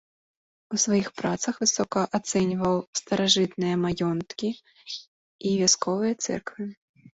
У сваіх працах высока ацэньваў старажытныя маёнткі і вясковыя цэрквы.